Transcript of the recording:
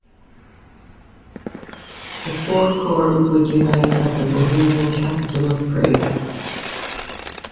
The four corps would unite at the Bohemian capital of Prague.